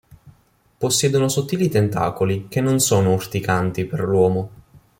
Possiedono sottili tentacoli che non sono urticanti per l'uomo.